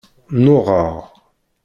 Nnuɣeɣ.